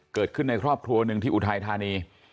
เกิดขึ้นในครอบครัวหนึ่งที่อุทัยธานี